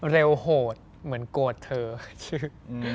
เรวโหดเหมือนโกรธเธอชื่อ